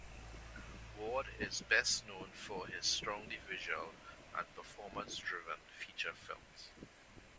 Ward is best known for his strongly visual and performance driven feature films.